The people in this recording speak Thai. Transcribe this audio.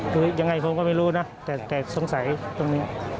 คือยังไงผมก็ไม่รู้นะแต่สงสัยตรงนี้